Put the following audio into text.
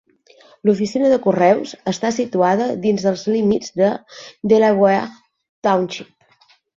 L"oficina de correus està situada dins dels límits de Delaware Township.